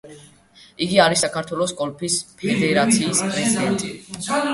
იგი არის საქართველოს გოლფის ფედერაციის პრეზიდენტი.